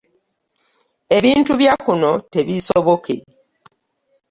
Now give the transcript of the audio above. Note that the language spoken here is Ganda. Ebintu bya kuno tebisoboke .